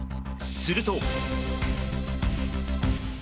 すると。